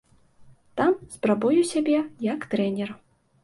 Там спрабую сябе як трэнер.